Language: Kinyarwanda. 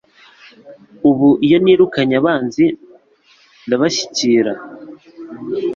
Ubu iyo nirukanye abanzi ndabashyikira